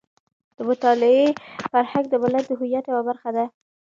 د مطالعې فرهنګ د ملت د هویت یوه برخه ده.